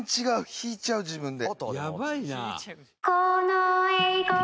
「引いちゃう自分で」